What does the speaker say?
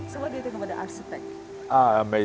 jadi apa pendapat anda tentang arsitek